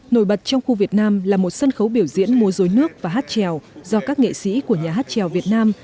nổi bật trong khu việt nam là một sân khấu biểu diễn múa dối nước và hát trèo do các nghệ sĩ của nhà hát trèo việt nam